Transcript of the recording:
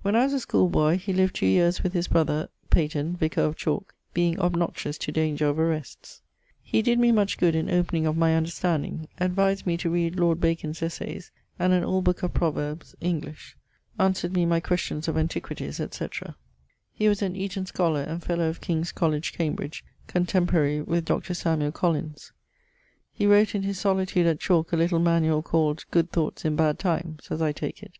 When I was a school boy he lived two yeares with his brother ... Peyton, vicar of Chalke, being obnoxious to danger of arests. He did me much good in opening of my understanding; advised me to read lord Bacon's Essayes and an olde booke of proverbs (English); answered me my questions of antiq, etc. He was an Eaton scholar and fellow of King's College, Cambridge, contemporary with Dr. Colins. He wrote in his solitude at Chalke a little manuall called 'Good thoughts in bad times,' as I take it.